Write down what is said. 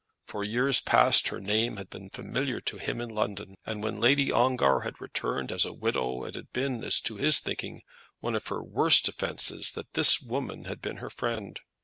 For years past her name had been familiar to him in London, and when Lady Ongar had returned as a widow it had been, to his thinking, one of her worst offences that this woman had been her friend.